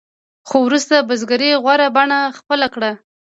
خو وروسته بزګرۍ غوره بڼه خپله کړه.